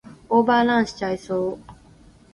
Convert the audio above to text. オーバーランしちゃいそう